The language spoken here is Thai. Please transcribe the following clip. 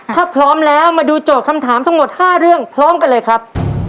ถ้าพร้อมแล้วมาดูโจทย์คำถามทั้งหมด๕เรื่องพร้อมกันเลยครับ